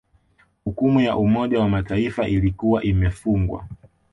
Hukumu ya Umoja wa Mataifa ilikuwa imefungwa